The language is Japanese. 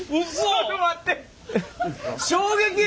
ちょっと待って。